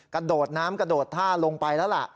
กระโดดน้ำกระโดดท่าลงไปแล้วล่ะ